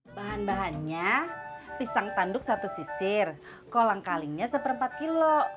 bahan bahannya pisang tanduk satu sisir kolang kalingnya seperempat kilo